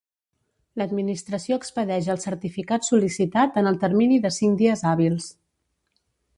L'Administració expedeix el certificat sol·licitat en el termini de cinc dies hàbils.